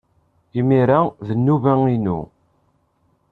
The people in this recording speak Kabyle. Imir-a, d nnuba-inu.